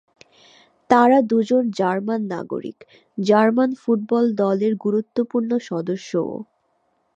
তাঁরা দুজন জার্মান নাগরিক, জার্মান ফুটবল দলের গুরুত্বপূর্ণ সদস্যও।